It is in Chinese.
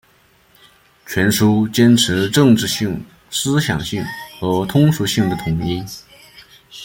全书坚持政治性、思想性和通俗性的统一